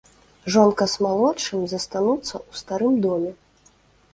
Жонка з малодшым застануцца ў старым доме.